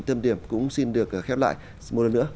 tâm điểm cũng xin được khép lại một lần nữa